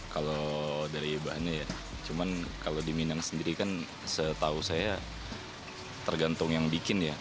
kalau dari bahannya ya cuman kalau di minang sendiri kan setahu saya tergantung yang bikin ya